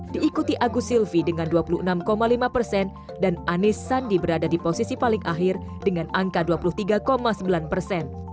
diikuti agus silvi dengan dua puluh enam lima persen dan anis sandi berada di posisi paling akhir dengan angka dua puluh tiga sembilan persen